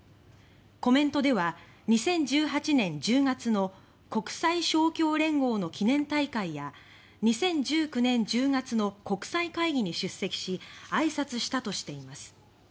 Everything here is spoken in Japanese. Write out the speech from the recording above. コメントでは２０１８年１０月の国際勝共連合の記念大会や２０１９年１０月の国際会議に出席しあいさつしたとしています。